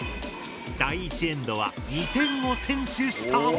第１エンドは２点を先取した。